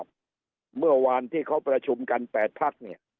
แปลบ้างภาพเมื่อกว่านที่เขาประชุมกัน๘ทัก